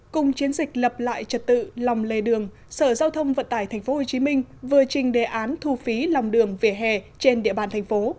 cùng chiến dịch lập lại trật tự lòng lề đường sở giao thông vận tải tp hcm vừa trình đề án thu phí lòng đường vỉa hè trên địa bàn thành phố